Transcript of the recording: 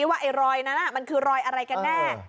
ว่าไอ้รอยนั้นมันคือรอยอะไรกันแน่